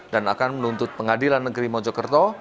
dan akan menuntut pengadilan negeri mojokerto